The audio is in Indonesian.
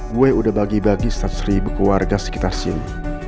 gue udah bagi bagi seratus ribu keluarga sekitar sini